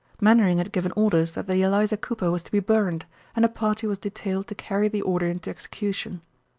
Mainwaring had given orders that the Eliza Cooper was to be burned, and a party was detailed to carry the order into execution.